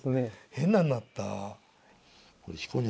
変なんなった。